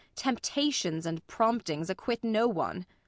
Temptations and promptings acquit no one.